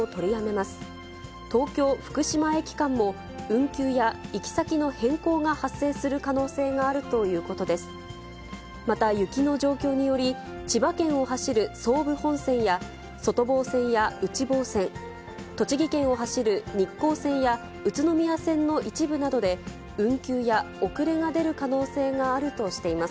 また雪の状況により、千葉県を走る総武本線や、外房線や内房線、栃木県を走る日光線や宇都宮線の一部などで、運休や遅れが出る可能性があるとしています。